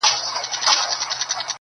د هغو ورځو خواږه مي لا په خوله دي -